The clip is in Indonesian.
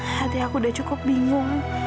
hati aku udah cukup bingung